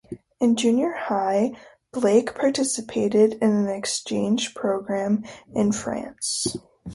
In junior high, Blake participated in an exchange program in France.